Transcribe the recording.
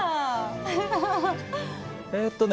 えっとね